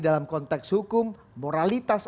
dalam konteks hukum moralitas